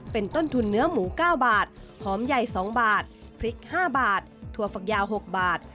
เป็นต้นทุนเนื้อหมู๙บาทหอมใหญ่๒บาทพริก๕บาทถั่วฝักยาว๖บาท